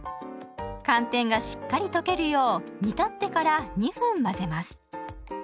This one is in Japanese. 寒天がしっかり溶けるよう煮立ってから２分混ぜます。